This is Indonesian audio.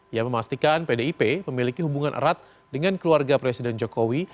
ia memastikan pdip memiliki hubungan erat dengan keluarga presiden jokowi